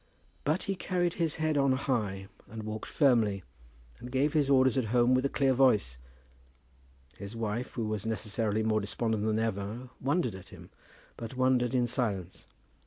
But he carried his head on high, and walked firmly, and gave his orders at home with a clear voice. His wife, who was necessarily more despondent than ever, wondered at him, but wondered in silence.